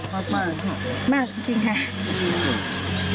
ขอบคุณมากจริงค่ะ